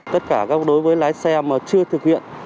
tất cả đối với lái xe mà chưa thực hiện